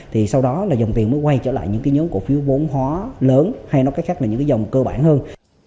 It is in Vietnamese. thì sau đó là dòng tiền mới quay trở lại những cái nhóm cổ phiếu vốn hóa lớn hay nó có khác là những cái dòng cơ bản hơn